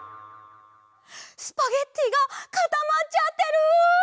スパゲッティがかたまっちゃってる！